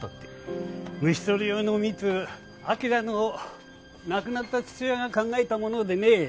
虫捕り用の蜜明の亡くなった父親が考えたものでね。